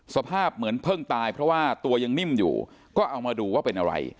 สภาพเหมือนเพิ่งตายเพราะว่าตัวยังนิ่มอยู่ก็เอามาดูว่าเป็นอะไร